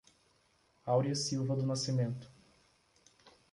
Aurea Silva do Nascimento